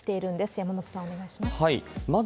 山本さん、お願いします。